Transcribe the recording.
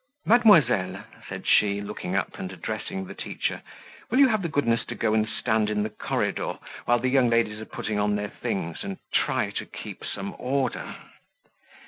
"Mademoiselle," said she, looking up and addressing the teacher, "Will you have the goodness to go and stand in the corridor, while the young ladies are putting on their things, and try to keep some order?"